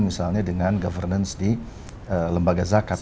misalnya dengan governance di lembaga zakat